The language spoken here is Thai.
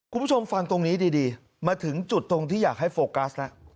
คุณผู้ชมฟังตรงนี้ดีมาถึงจุดตรงที่อยากให้โฟกัสแล้ว